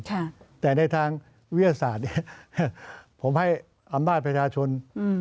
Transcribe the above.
ค่ะแต่ในทางวิทยาศาสตร์เนี้ยผมให้อำนาจประชาชนอืม